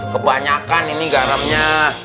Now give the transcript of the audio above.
kebanyakan ini garamnya